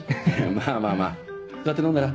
まぁまぁまぁ座って飲んだら？